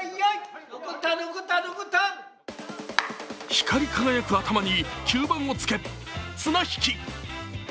光り輝く頭に吸盤をつけ、綱引き。